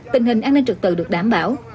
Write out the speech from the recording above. tình hình an ninh trực tự được đảm bảo